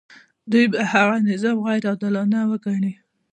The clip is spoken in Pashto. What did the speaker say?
دوی به هغه نظام غیر عادلانه وګڼي.